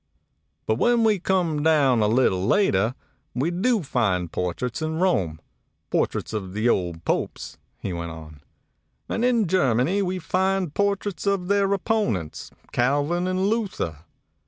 "But when we come down a little later, we do find portraits in Rome, portraits of the old Popes," he went on; "and in Germany we find portraits of their opponents, Calvin and Luther.